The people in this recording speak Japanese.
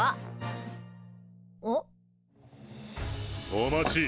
お待ち。